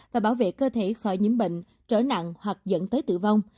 và bảo vệ cơ thể khỏi nhiễm bệnh trở nặng hoặc dẫn tới tử vong